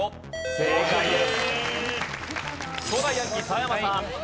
正解です。